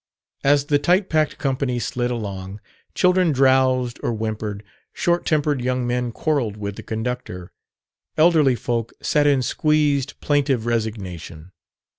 As the tight packed company slid along, children drowsed or whimpered, short tempered young men quarreled with the conductor, elderly folk sat in squeezed, plaintive resignation....